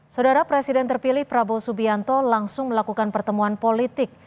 saudara presiden terpilih prabowo subianto langsung melakukan pertemuan politik